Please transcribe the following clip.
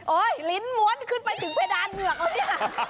โอ๊ยลิ้นมวดขึ้นไปถึงเพดานเหงื่อกแล้วนี่